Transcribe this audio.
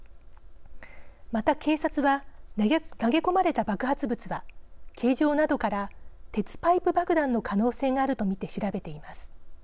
また警察は投げ込まれた爆発物は形状などから鉄パイプ爆弾の可能性があると見て調べています。